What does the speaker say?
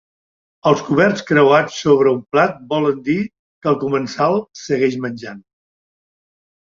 Els coberts creuats sobre un plat volen dir que el comensal segueix menjant.